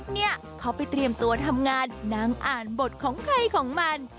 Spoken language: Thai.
เนี่ยเขาไปเตรียมตัวทำงานนั่งอ่านบทของใครของมัน